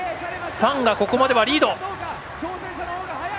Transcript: ファンがここまではリード。